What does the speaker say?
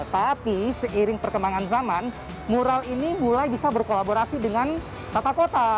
tapi seiring perkembangan zaman mural ini mulai bisa berkolaborasi dengan tata kota